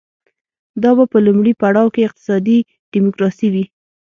دا به په لومړي پړاو کې اقتصادي ډیموکراسي وي